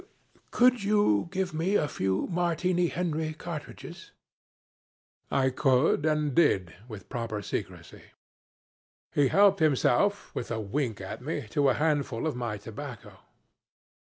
Could you give me a few Martini Henry cartridges?' I could, and did, with proper secrecy. He helped himself, with a wink at me, to a handful of my tobacco.